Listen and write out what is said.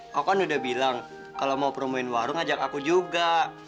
aku kan udah bilang kalau mau promoin warung ajak aku juga